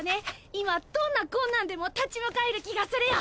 今どんな困難でも立ち向かえる気がするよ